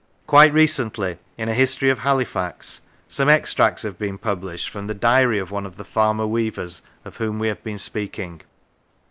Quite recently, in a " History of Halifax," some extracts have been published from the diary of one of the farmer weavers of whom we have been speaking.